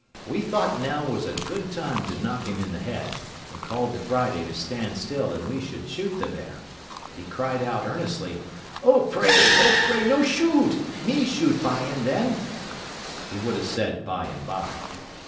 We thought now was a good time to knock him in the head, and called to Friday to stand still and we should shoot the bear: but he cried out earnestly, "Oh, pray! Oh, pray! no shoot, me shoot by and then:" he would have said by and by.